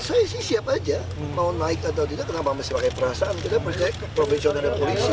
saya sih siap aja mau naik atau tidak kenapa masih pakai perasaan kita percaya ke profesional dan polisi